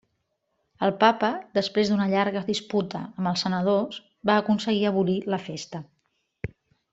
El papa després d'una llarga disputa amb els senadors va aconseguir abolir la festa.